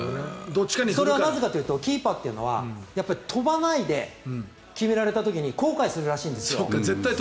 それはなぜかというとキーパーというのは飛ばないで決められた時に後悔するらしいんです。